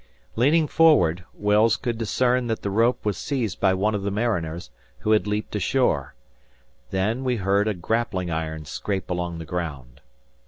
Leaning forward, Wells could discern that the rope was seized by one of the mariners, who had leaped ashore. Then we heard a grappling iron scrape along the ground.